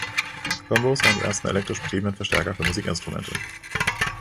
Combos waren die ersten elektrisch betriebenen Verstärker für Musikinstrumente.